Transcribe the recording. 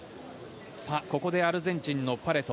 ここでアルゼンチンのパレト。